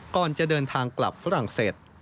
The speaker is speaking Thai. ก่อนจะเดินทางกลับฝรั่งเศส